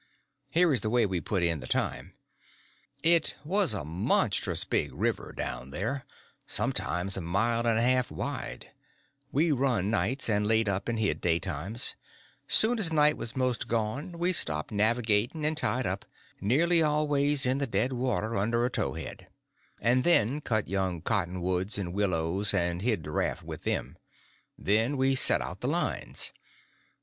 Here is the way we put in the time. It was a monstrous big river down there—sometimes a mile and a half wide; we run nights, and laid up and hid daytimes; soon as night was most gone we stopped navigating and tied up—nearly always in the dead water under a towhead; and then cut young cottonwoods and willows, and hid the raft with them. Then we set out the lines.